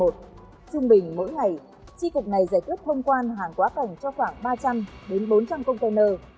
trung bình mỗi ngày tri cục này giải quyết thông quan hàng quá cảnh cho khoảng ba trăm linh bốn trăm linh container